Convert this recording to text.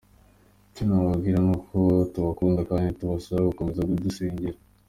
Icyo nababwira ni uko tubakunda kandi turabasaba gukomeza kudusengera.